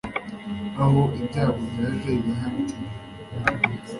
aho ibyago byaje ibihaha bica umuhoro